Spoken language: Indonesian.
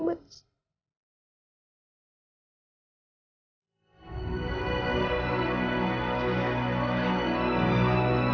aku gak pernah sedih